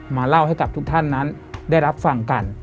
เล่าให้กับทุกท่านนั้นได้รับฟังกัน